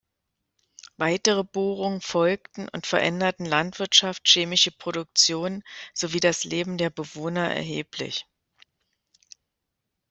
Weitere Bohrungen folgten und veränderten Landwirtschaft, chemische Produktion sowie das Leben der Bewohner erheblich.